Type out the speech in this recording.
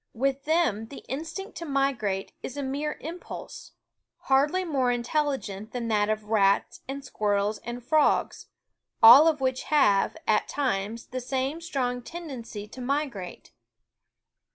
With them the instinct to migrate is a mere im pulse, hardly more intelligent than that of rats and squirrels and frogs, all of which have, at times, the same strong tendency to migrate.